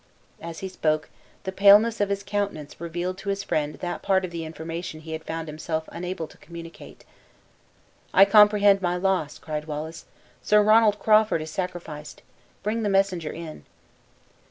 As he spoke, the paleness of his countenance revealed to his friend that part of the information he had found himself unable to communicate. "I comprehend my loss," cried Wallace; "Sir Ronald Crawford is sacrificed! Bring the messenger in."